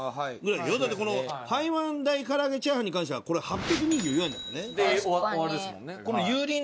だってこの台湾大からあげチャーハンに関してはこれ８２４円だからね。